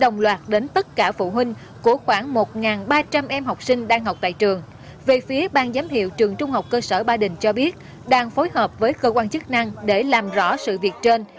một phụ huynh có con đang học tại trường trung học cơ sở ba đình cho chúng tôi xem tin nhắn mà anh vẫn lưu trong điện thoại